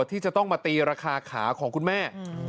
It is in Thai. ที่จะต้องมาตีราคาขาของคุณแม่